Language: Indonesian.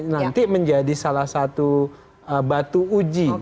nanti menjadi salah satu batu uji